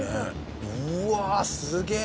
うわすげえ。